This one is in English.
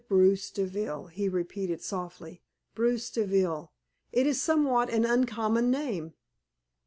Bruce Deville," he repeated, softly "Bruce Deville! It is somewhat an uncommon name."